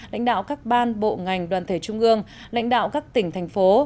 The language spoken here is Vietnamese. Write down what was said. lãnh đạo các ban bộ ngành đoàn thể trung ương lãnh đạo các tỉnh thành phố